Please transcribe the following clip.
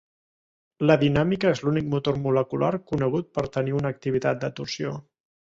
La dinamina és l'únic motor molecular conegut per tenir una activitat de torsió.